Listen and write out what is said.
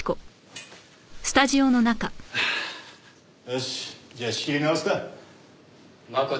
よしじゃあ仕切り直すか。